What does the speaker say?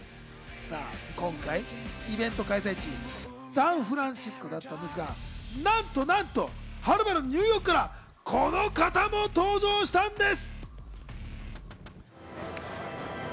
今回、イベント開催地、サンフランシスコだったんですが、なんとなんとはるばるニューヨークからこの方も登場したんです。